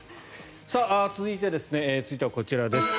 続いてはこちらです。